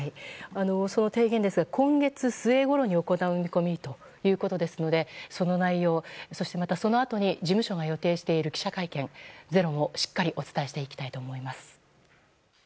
その提言ですが今月末ごろに行う見込みということですのでその内容そして、またそのあとに事務所が予定している記者会見、「ｚｅｒｏ」もしっかりお伝えしていきたいと思います。